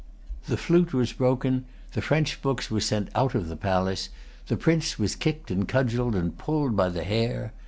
The flute was broken; the French books were sent out of the palace; the Prince was kicked and cudgelled, and pulled by the hair.